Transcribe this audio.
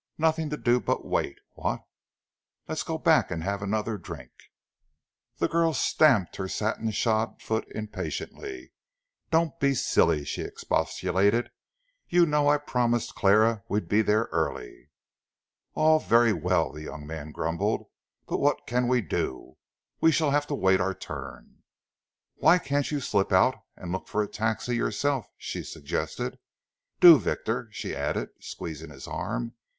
Nothing to do but wait, what? Let's go back and have another drink." The girl stamped her satin shod foot impatiently. "Don't be silly," she expostulated. "You know I promised Clara we'd be there early." "All very well," the young man grumbled, "but what can we do? We shall have to wait our turn." "Why can't you slip out and look for a taxi yourself?" she suggested. "Do, Victor," she added, squeezing his arm.